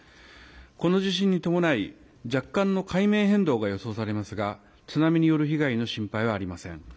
この地震に伴い、若干の海面変動が予想されますが、津波による被害の心配はありません。